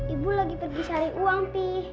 ibu lagi pergi cari uang nih